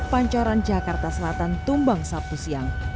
pancoran jakarta selatan tumbang sabtu siang